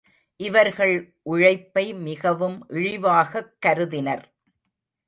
இவர்கள் உழைப்பை மிகவும் இழிவாகக் கருதினர்.